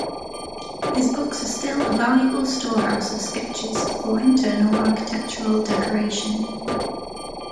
His books are still a valuable store-house of sketches for internal architectural decoration.